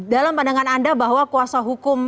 dalam pandangan anda bahwa kuasa hukum ag itu